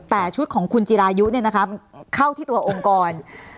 แต่ชุดของคุณจิรายุเข้าที่ตัวองค์กร